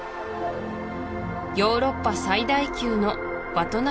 ヨーロッパ最大級のヴァトナ